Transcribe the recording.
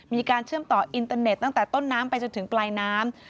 มีการเชื่อมต่ออินเตอร์เน็ตตั้งแต่ต้นน้ำไปจนถึงปลายน้ำ